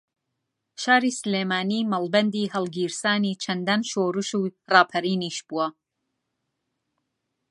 شاری سلێمانی مەڵبەندی ھەڵگیرسانی چەندان شۆڕش و ڕاپەڕینیش بووە